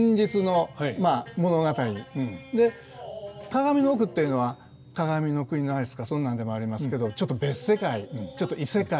鏡の奥っていうのは「鏡の国のアリス」かそんなんでもありますけどちょっと別世界ちょっと異世界。